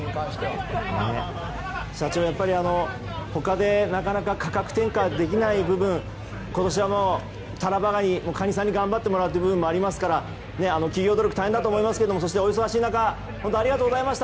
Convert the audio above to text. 社長、やっぱり他でなかなか価格転嫁できない部分今年はタラバガニカニさんに頑張ってもらうという部分もありますから企業努力大変だと思いますけどそしてお忙しい中ありがとうございました。